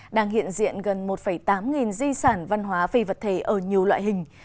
đang hiện diện gần một tám nghìn di sản văn hóa phi vật thể ở nhiều loại hình